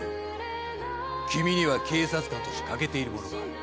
君には警察官として欠けているものがある。